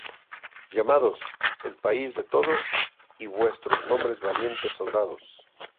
Llamados: "El País de Todos" y "Vuestros Nombres Valientes Soldados".